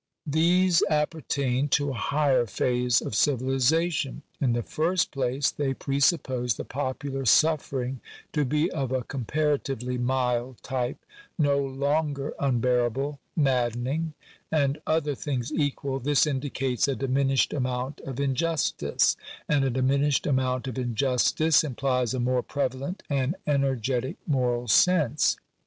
These appertain to a higher phase of civilization. In the first place they presuppose the popular suffering to be of a comparatively mild type — no longer unbear able, maddening; and, other things equal, this indicates a diminished amount of injustice ; and a diminished amount of injustice implies a more prevalent and energetic moral sense.